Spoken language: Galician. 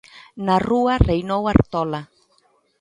Na Rúa reinou Artola.